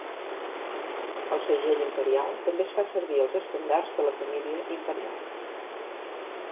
El segell imperial també es fa servir al estendards de la família imperial.